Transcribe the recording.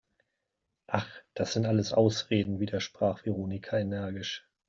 Ach, das sind alles Ausreden!, widersprach Veronika energisch.